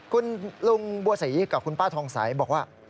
คุณลุงบัวศรีกับคุณป้าทองใสบอกว่า